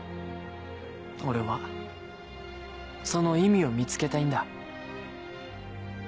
俺はその意味を見つけたいんだ。